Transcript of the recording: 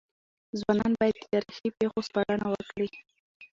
ځوانان بايد د تاريخي پېښو سپړنه وکړي.